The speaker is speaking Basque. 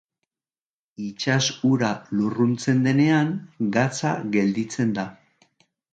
Itsas ura lurruntzen denean, gatza gelditzen da.